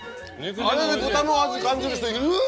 あれで豚の味感じる人いる？